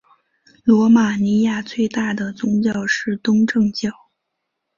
罗马尼亚最大的宗教是东正教。